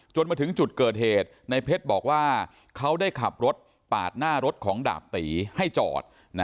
มาถึงจุดเกิดเหตุในเพชรบอกว่าเขาได้ขับรถปาดหน้ารถของดาบตีให้จอด